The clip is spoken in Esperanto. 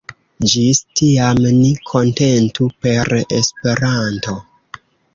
Ĝis tiam, ni kontentu per Esperanto!